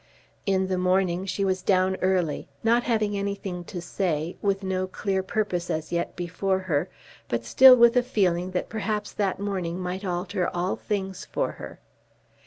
In the morning she was down early, not having anything to say, with no clear purpose as yet before her, but still with a feeling that perhaps that morning might alter all things for her.